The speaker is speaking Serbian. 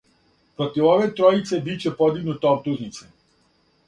Против ове тројице биће подигнуте оптужнице.